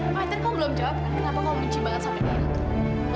eh pak aten kau belum jawab kan kenapa kau benci banget sama dia